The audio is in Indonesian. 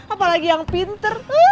apalagi yang pinter